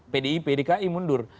pdi pdi dki mundur